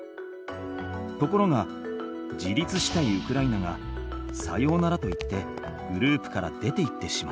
ところが自立したいウクライナが「さようなら」と言ってグループから出て行ってしまった。